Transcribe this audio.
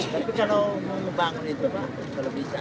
tapi kalau mau membangun itu pak kalau bisa